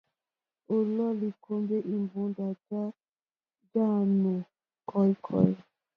O lɔ̀u li kombɛ imbunda ja anyu kɔ̀ikɔ̀i.